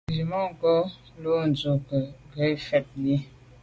Nzwi tswemanko’ lo’ ndu i nke ngo’ ngefet yi.